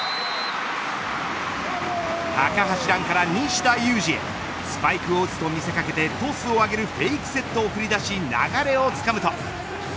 高橋藍から西田有志へスパイクを打つと見せ掛けてトスを上げるフェイクセットを繰り出し流れをつかむと。